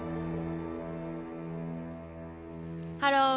ハロー。